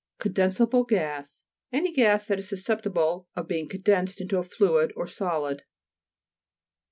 CONDE'NSABLE GAS Any gas that is susceptible of being condensed into a fluid, or solid.